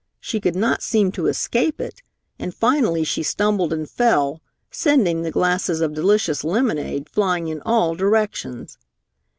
She could not seem to escape it, and finally she stumbled and fell, sending the glasses of delicious lemonade flying in all directions.